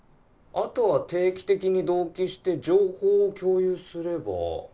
あとは定期的に同期して情報を共有すれば。